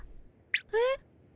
えっ？